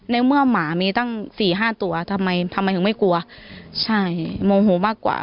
ในเมื่อหมามีตั้งสี่ห้าตัวทำไมทำไมถึงไม่กลัวใช่โมโหมากกว่า